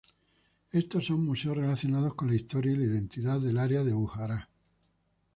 Estos son museos relacionados con la historia y la identidad del área de Bujará.